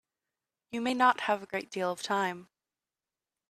You may not have a great deal of time.